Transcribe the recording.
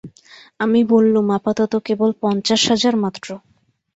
আমি বললুম, আপাতত কেবল পঞ্চাশ হাজার মাত্র।